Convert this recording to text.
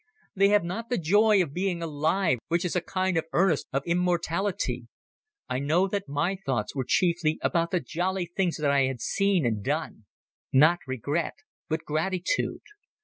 They have not the joy of being alive which is a kind of earnest of immortality ... I know that my thoughts were chiefly about the jolly things that I had seen and done; not regret, but gratitude.